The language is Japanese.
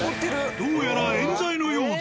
どうやら冤罪のようだ。